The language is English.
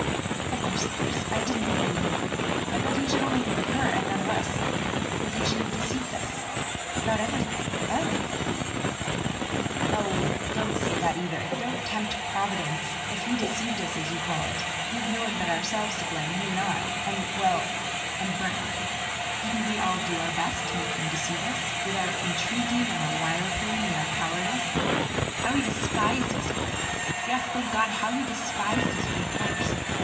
"Of course, of course. .. I didn't mean ... But that he should think only of her , and not of us ... that he should have deceived us ... about everything ... everything. .." "Ah, don't say that either! Don't tempt Providence ! If he deceived us, as you call it, we've no one but our [ 305 ] A SON AT THE FRONT selves to blame; you and I, and—well, and Brant. Didn't we all do our best to make him deceive us—with our intriguing and our wire pulling and our cowardice ? How he despised us for it—yes, thank God, how he despised us from the first!